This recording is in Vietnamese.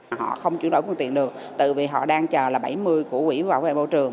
mà họ không chuyển đổi phương tiện được tự vì họ đang chờ là bảy mươi của quỹ bảo vệ bộ trường